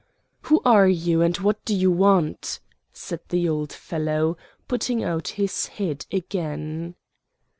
"Who are you and what do you want?" said the old fellow, putting out his head again.